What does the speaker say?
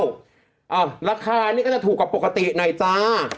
อ้าวราคานี่ก็จะถูกกว่าปกติหน่อยจ้า